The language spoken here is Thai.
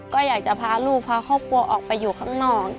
ก็อยากจะพาลูกพาครอบครัวออกไปอยู่ข้างนอก